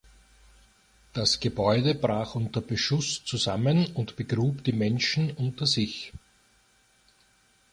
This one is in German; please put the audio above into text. Das Gebäude brach unter Beschuss zusammen und begrub die Menschen unter sich.